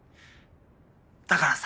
だからさ。